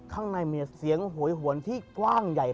ข้างในมีเสียงโหยหวนที่กว้างใหญ่